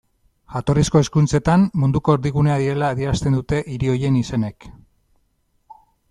Jatorrizko hizkuntzetan, munduko erdigunea direla adierazten dute hiri horien izenek.